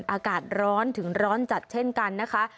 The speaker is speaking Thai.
อากาศร้อนถึงร้อนจัดเช่นกันนะคะ